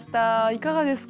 いかがですか？